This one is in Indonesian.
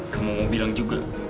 kamu mau bilang juga